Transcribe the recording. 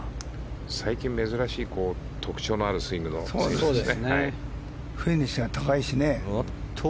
最近珍しい特徴のあるスイングですよね。